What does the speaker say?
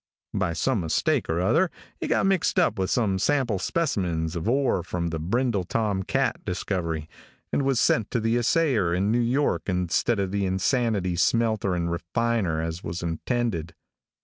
By some mistake or other it got mixed up with some sample specimens of ore from 'The Brindle Tom Cat' discovery, and was sent to the assayer in New York instead of the insanity smelter and refiner, as was intended.